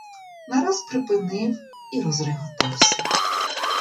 Нараз припинив і розреготався.